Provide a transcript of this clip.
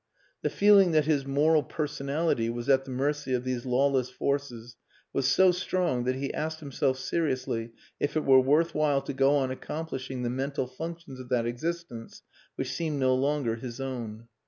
The feeling that his moral personality was at the mercy of these lawless forces was so strong that he asked himself seriously if it were worth while to go on accomplishing the mental functions of that existence which seemed no longer his own.